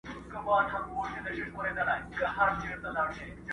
• ځکه دغسي هوښیار دی او قابِل دی.